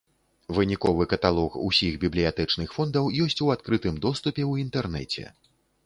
Выніковы каталог усіх бібліятэчных фондаў ёсць у адкрытым доступе ў інтэрнэце.